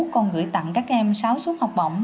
còn gửi tặng các em sáu suốt học bổng